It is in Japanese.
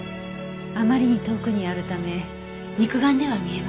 あまりに遠くにあるため肉眼では見えません。